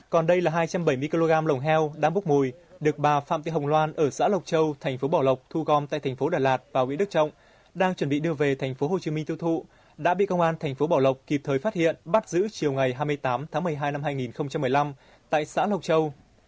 còn đây là hai trăm bảy mươi kg lồng heo đang bốc mùi được bà phạm thị hồng loan ở xã lộc châu thành phố bảo lộc thu gom tại thành phố đà lạt và nguyễn đức trọng đang chuẩn bị đưa về tp hcm tiêu thụ đã bị công an thành phố bảo lộc kịp thời phát hiện bắt giữ chiều ngày hai mươi tám tháng một mươi hai năm hai nghìn một mươi năm tại xã lộc châu